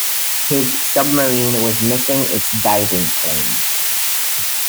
His submarine was missing its diving planes.